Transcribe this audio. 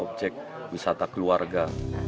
objek wisata keluarga